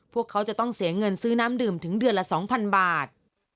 พวกเขาจะต้องเสียเงินซื้อน้ำดื่มถึงเดือนละ๒๐๐บาท